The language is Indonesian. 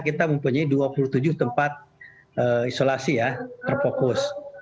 kita mempunyai dua puluh tujuh tempat isolasi ya terfokus